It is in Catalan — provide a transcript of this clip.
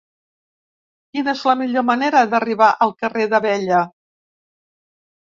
Quina és la millor manera d'arribar al carrer d'Abella?